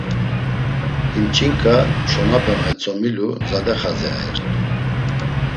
Him ç̌inǩa, çonape metzomilu zade xadzi ayert̆u.